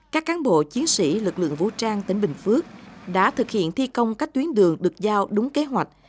các cán bộ chiến sĩ lực lượng vũ trang tỉnh bình phước đã thực hiện thi công các tuyến đường được giao đúng kế hoạch